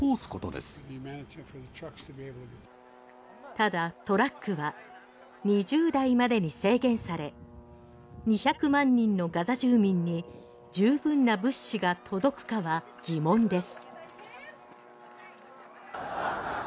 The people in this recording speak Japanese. ただ、トラックは２０台までに制限され２００万人のガザ市民に十分な物資が届くかは疑問です。